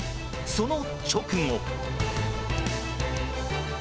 その直後。